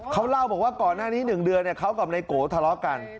เขาเล่าบอกว่าก่อนหน้านี้๑เดือนเขากับนายโกทะเลาะกัน